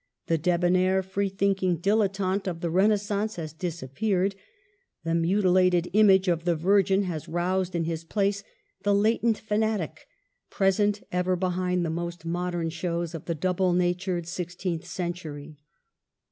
The debonair, free thinking dilettante of the Re naissance has disappeared ; the mutilated image of the Virgin has roused in his place the latent fanatic, present ever behind the most modern shows of the double natured sixteenth century.